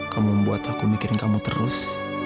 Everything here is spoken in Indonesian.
kamu membuat aku mikirin kamu terus